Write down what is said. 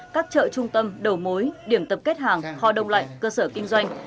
các chợ trung tâm đầu mối điểm tập kết hàng kho đông lạnh cơ sở kinh doanh